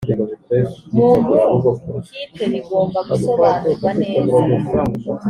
muntu kipe bigomba gusobanurwa neza